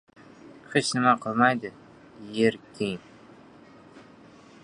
— Hech nima qilmaydi, yer keng.